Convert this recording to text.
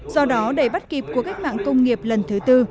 do đó để bắt kịp của cách mạng công nghiệp lần thứ tư